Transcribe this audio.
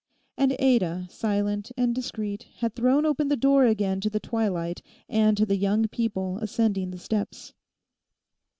And Ada, silent and discreet, had thrown open the door again to the twilight and to the young people ascending the steps.